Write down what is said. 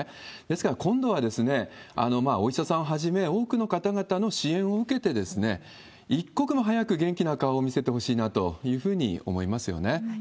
ですから、今度はお医者さんをはじめ、多くの方々の支援を受けて、一刻も早く元気な顔を見せてほしいなというふうに思いますよね。